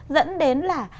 dẫn đến là